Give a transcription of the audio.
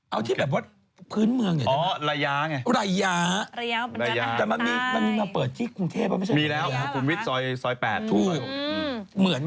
เอาที่ประมาณว่าพื้นเมือง